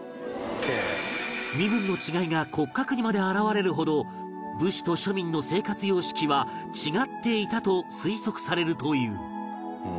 身分の違いが骨格にまで現れるほど武士と庶民の生活様式は違っていたと推測されるという